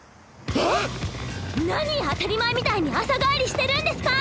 えっ⁉何当たり前みたいに朝帰りしてるんですか！